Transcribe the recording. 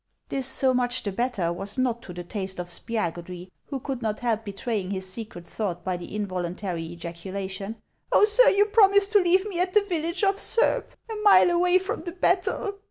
This " so much the better " was not to the taste of Spia gudry, who could not help betraying his secret thought by the involuntary ejaculation :" Oh, sir, you promised to leave me at the village of Surb, a mile away from the battle."